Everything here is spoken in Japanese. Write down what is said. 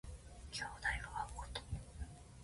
兄弟が会うこと。